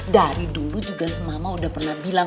dari dulu juga mama udah pernah bilang